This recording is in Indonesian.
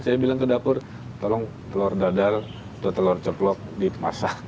saya bilang ke dapur tolong telur dadar atau telur ceplok dimasak